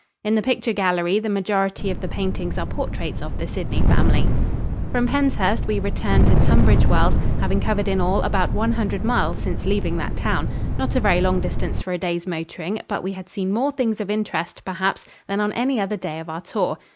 In the picture gallery the majority of the paintings are portraits of the Sidney family. From Penshurst we returned to Tunbridge Wells, having covered in all about one hundred miles since leaving that town not a very long distance for a day's motoring, but we had seen more things of interest, perhaps, than on any other day of our tour.